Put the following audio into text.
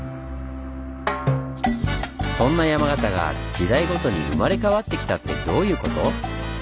そんな山形が時代ごとに生まれ変わってきたってどういうこと？